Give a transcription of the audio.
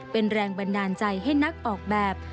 เป็นแรงบันดาลใจให้นักออกแบบ